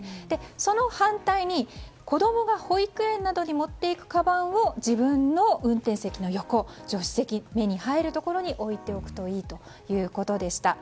その反対に子供が保育園などに持っていくかばんを自分の運転席の横助手席、目に入るところに置いておくといいということでした。